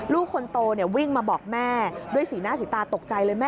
ลูกคนโตวิ่งมาบอกแม่ด้วยสีหน้าสีตาตกใจเลยแม่